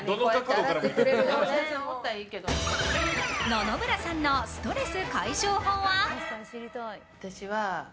野々村さんのストレス解消法は？